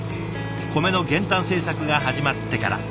米の減反政策が始まってから。